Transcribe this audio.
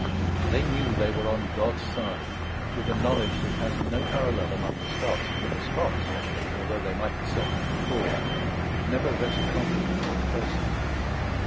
They knew they were on God's side, with a knowledge that has no parallel among the Scots; for the Scots, although they might be certain of the cause, could never rest confident of the person.